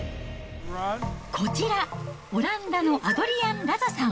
こちら、オランダのアドリアン・ラザさん。